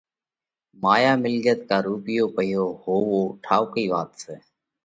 مايا، مِلڳت ڪا رُوپيو پئِيهو هووَو ٺائُوڪئِي وات سئہ